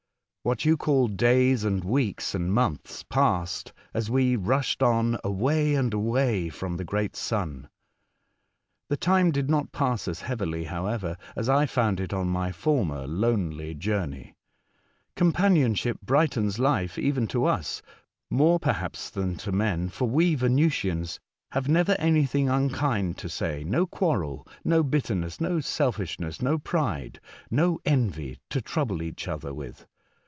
What you call days and weeks and months passed as we rushed on away and away from the great Sun. The time did not pass as heavily, however, as I found it on my former lonely journey. Com panionship brightens life even to us, more per haps than to men, for we Venusians have never anything unkind to say, no quarrel, no bitter ness, no selfishness, no pride, no envy to trouble each other with.